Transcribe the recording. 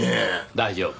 大丈夫。